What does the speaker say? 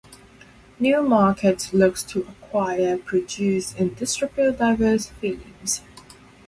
Newmarket looks to acquire, produce, and distribute diverse films.